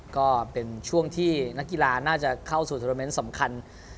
ก็เป็นช่วงที่นักกีฬาน่าจะเข้าสู่โทรเมนต์สำคัญ